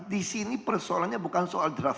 di sini persoalannya bukan soal draft